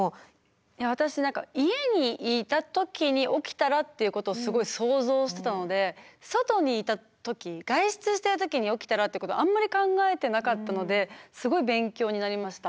いや私何か家にいた時に起きたらっていうことをすごい想像してたので外にいた時外出してる時に起きたらってことあんまり考えてなかったのですごい勉強になりました。